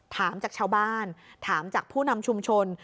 ถามจากชาวบ้านถามจากผู้นำชุมชน